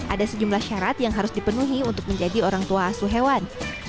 ada sejumlah syarat yang harus dipenuhi untuk menjadi orang tua asuh hewan